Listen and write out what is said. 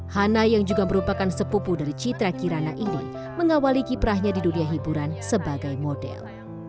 hana yang juga merupakan sepupu dari citra kirana ini mengawali kiprahnya di dunia hiburan sebagai model